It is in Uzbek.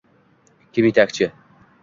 Kim yetakchi?